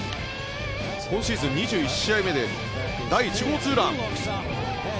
今シーズン２１試合目で第１号ツーラン。